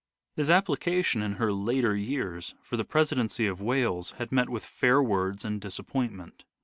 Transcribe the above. His application, in her later years, for the presidency of Wales had met with fair words and disappointment.